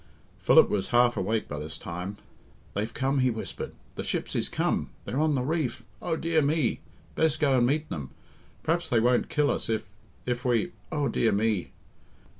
Philip was half awake by this time. "They've come," he whispered. "The ships is come, they're on the reef. Oh, dear me! Best go and meet them. P'raps they won't kill us if if we Oh, dear me!"